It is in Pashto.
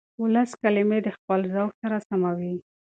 ولس کلمې د خپل ذوق سره سموي.